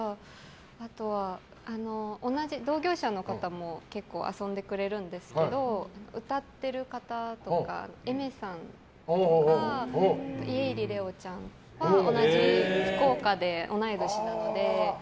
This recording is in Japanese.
あとは、同じ同業者の方も結構遊んでくれるんですけど歌っている方とかＡｉｍｅｒさんとか家入レオちゃんとか同じ福岡で同い年なので。